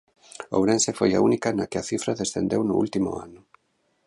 Ourense foi a única na que a cifra descendeu no último ano.